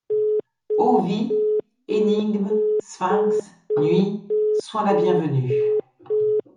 Ô vie, énigme, sphinx, nuit, sois la bienvenue !